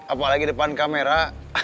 apalagi depan kamera